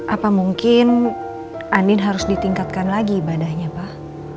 apa mungkin anin harus ditingkatkan lagi ibadahnya pak